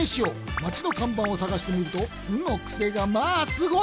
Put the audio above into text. まちのかんばんをさがしてみると「ん」のクセがまあすごい！